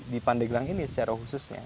di pandeglang ini secara khususnya